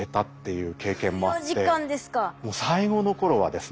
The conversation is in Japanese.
もう最後の頃はですね